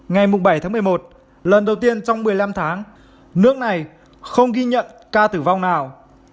ngày bảy tháng một mươi một lần đầu tiên trong một mươi năm tháng nước này không ghi nhận ca tử vong nào